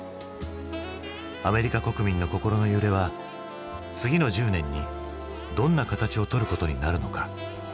アメリカ国民の心の揺れは次の１０年にどんな形をとることになるのか？